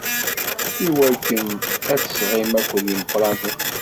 Iwakken ad t-isɣim akked yimeqqranen.